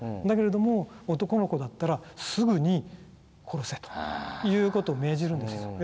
だけれども男の子だったらすぐに殺せということを命じるんですよ。